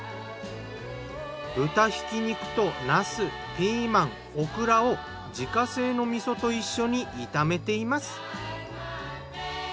豚ひき肉となすピーマンオクラを自家製の味噌と一緒に炒めています。